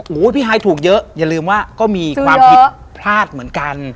โอ้โหพี่ฮายถูกเยอะอย่าลืมว่าก็มีความผิดพลาดเหมือนกัน